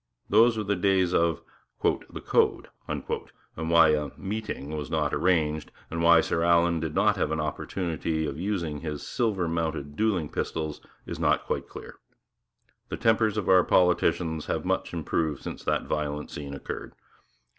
Those were the days of 'the code,' and why a 'meeting' was not 'arranged' and why Sir Allan did not have an opportunity of using his silver mounted duelling pistols is not quite clear. The tempers of our politicians have much improved since that violent scene occurred.